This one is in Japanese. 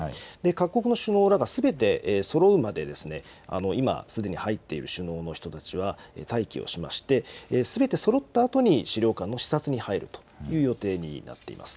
各国の首脳らがすべてそろうまで今、すでに入っている首脳の人たちは、待機をしまして、すべてそろったあとに資料館の視察に入るという予定になっています。